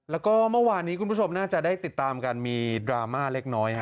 แล้วก็เมื่อวานนี้คุณผู้ชมน่าจะได้ติดตามกันมีดราม่าเล็กน้อย